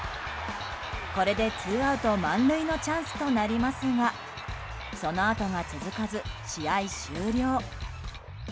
これでツーアウト満塁のチャンスとなりますがそのあとが続かず試合終了。